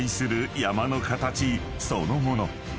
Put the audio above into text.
［そのもの］